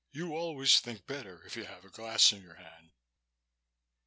You always think better if you have a glass in your hand."